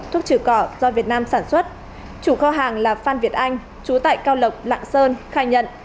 thuốc trừ cỏ do việt nam sản xuất chủ kho hàng là phan việt anh chú tại cao lộc lạng sơn khai nhận